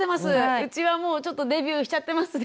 うちはもうちょっとデビューしちゃってますね